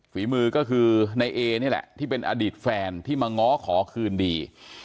ฝีมือก็คือในเอนี่แหละที่เป็นอดีตแฟนที่มาง้อขอคืนดี